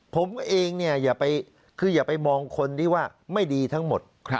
ผมเองเนี่ยคืออย่าไปมองคนที่ว่าไม่ดีทั้งหมด